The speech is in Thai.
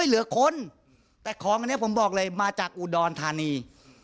เหลือคนแต่ของอันนี้ผมบอกเลยมาจากอุดรธานี